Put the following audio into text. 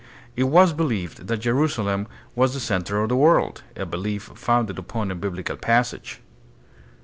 It was believed that Jerusalem was the center of the world, a belief founded upon a biblical passage.